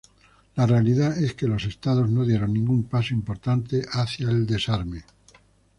La realidad es que los estados no dieron ningún paso importante hacia el desarme.